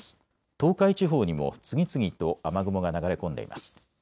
東海地方にも次々と雨雲が流れ込んでいます。